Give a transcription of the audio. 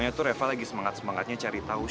nah kalian semua kan tahu